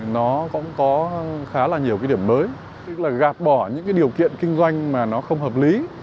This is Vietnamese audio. nó khá là nhiều cái điểm mới gạt bỏ những điều kiện kinh doanh mà nó không hợp lý